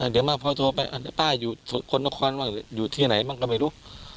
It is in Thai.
เดี๋ยวมาพอโทรไปป้าอยู่สกลนครบ้างอยู่ที่ไหนบ้างก็ไม่รู้